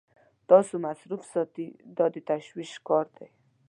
تاسو مصروف ساتي دا د تشویش کار دی.